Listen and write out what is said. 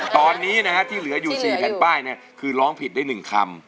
ตอนนี้นะฮะที่เหลืออยู่๔แผ่นป้ายคือร้องผิดได้๑คำ